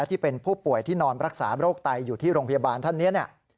ที่เป็นผู้ป่วยที่นอนรักษาโรคไตอยู่ที่โรงพยาบาลท่านนี้เนี่ย